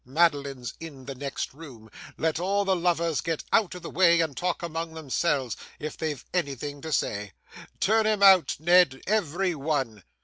Madeline's in the next room. Let all the lovers get out of the way, and talk among themselves, if they've anything to say. Turn 'em out, Ned, every one!